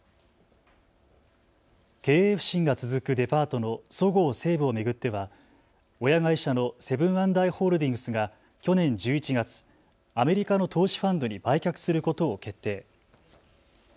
経営不振が続くデパートのそごう・西武を巡っては親会社のセブン＆アイ・ホールディングスが去年１１月、アメリカの投資ファンドに売却することを決定。